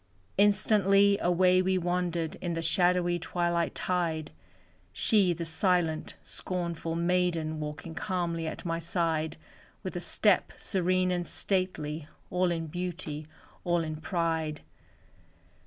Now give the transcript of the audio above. Instantly away we wandered In the shadowy twilight tide, She, the silent, scornful maiden, Walking calmly at my side, With a step serene and stately, All in beauty, all in pride.